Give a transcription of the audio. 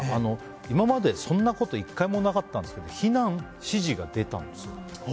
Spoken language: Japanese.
今までそういうことが１回もなかったんですけど避難指示が出たんですよ。